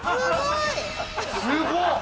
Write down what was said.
すごい！